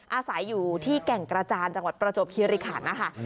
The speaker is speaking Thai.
อาศัยอยู่ที่แก่งกระจานจังหวัดประจวบคิริขันนะคะ